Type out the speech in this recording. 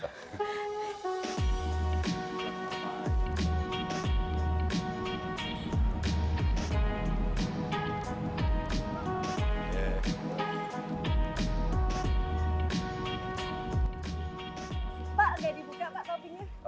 pak gak dibuka pak topinya